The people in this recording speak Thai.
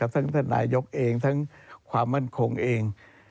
ท่านนายกเองทั้งความมั่นคงเอง